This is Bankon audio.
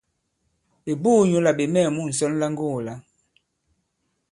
Ɓè buū nyǔ là ɓè mɛɛ̀ mu ŋsɔn la ŋgogō-la.